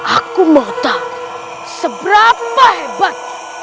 aku mau tahu seberapa hebat